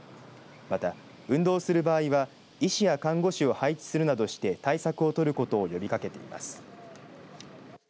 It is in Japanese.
また、運動する場合は医師や看護師を配置するなどして対策を取ることを呼びかけています。